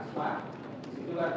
ini kan di